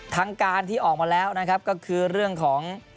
ทางการที่ออกมาแล้วนะครับก็คือเรื่องของ